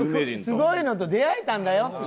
すごいのと出会えたんだよと。